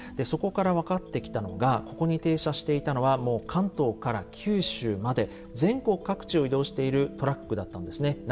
そこから分かってきたのがここに停車していたのはもう関東から九州まで全国各地を移動しているトラックだったんですね。